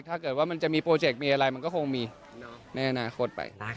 ถ้าเกิดว่ามันจะมีโปรเจกต์มีอะไรมันก็คงมีในอนาคตไป